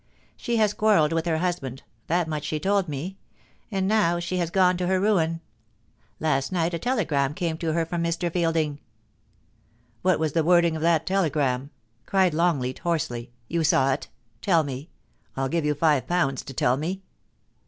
She has quarrelled with her husband — that much she told me ; and now she has gone to her niia Last night a telegram came to her from Mr, Fielding——' ' What was the wording of that telegram 7* cried Longleat, hoarsely. ' You saw it Tell me. 1*11 give you five pounds to tell me.'